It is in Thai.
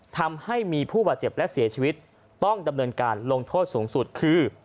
ทำให้มีผู้บาดเจ็บและเสียชีวิตต้องดำเนินการลงโทษสูงสุดคือ